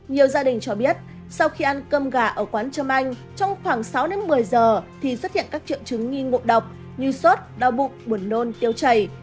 nhiều gia đình cho biết sau khi ăn cơm gà ở quán trâm anh trong khoảng sáu đến một mươi giờ thì xuất hiện các triệu chứng nghi ngộ độc như sốt đau bụng buồn nôn tiêu chảy